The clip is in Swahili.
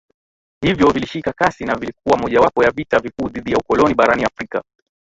hivyo vilishika kasi na vilikuwa mojawapo ya vita vikuu dhidi ya ukoloni barani Afrika